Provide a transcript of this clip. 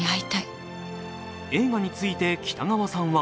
映画について、北川さんは